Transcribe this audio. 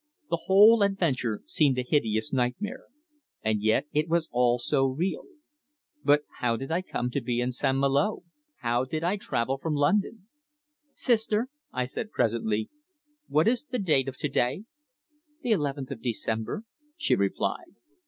The whole adventure seemed a hideous nightmare. And yet it was all so real. But how did I come to be in St. Malo? How did I travel from London? "Sister," I said presently. "What is the date of to day?" "The eleventh of December," she replied.